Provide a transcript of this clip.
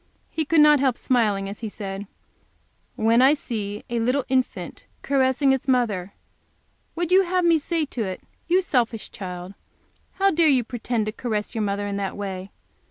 He could not help smiling as he said: "When I see a little infant caressing its mother, would you have me say to it, 'You selfish child, how dare you pretend to caress your mother in that way?